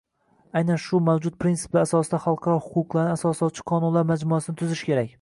Ayni shu mavjud prinsiplar asosida xalqaro huquqlarni asoslovchi qonunlar majmuasini tuzish kerak.